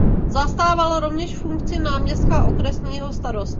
Zastával rovněž funkci náměstka okresního starosty.